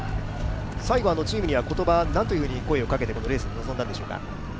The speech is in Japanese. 最後、チームには何と言葉をかけてレースに臨んだんでしょうか？